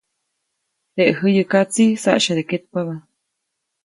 Teʼ jäyäkatsiʼ saʼsyade ketpabä.